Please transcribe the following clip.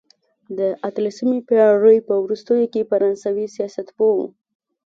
د اتلسمې پېړۍ په وروستیو کې فرانسوي سیاستپوه وو.